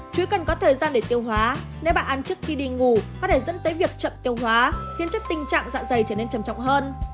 chứ cần có thời gian để tiêu hóa nếu bạn ăn trước khi đi ngủ có thể dẫn tới việc chậm tiêu hóa khiến chất tình trạng dạ dày trở nên trầm trọng hơn